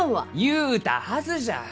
言うたはずじゃ！